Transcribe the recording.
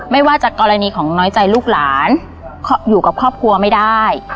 ไม่ว่าจากกรณีของน้อยใจลูกหลานอยู่กับครอบครัวไม่ได้